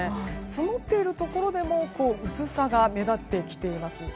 積もっているところでも薄さが目立ってきています。